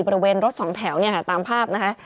บริเวณรถสองแถวตามภาพ